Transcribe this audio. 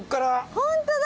ホントだ！